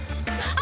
あ。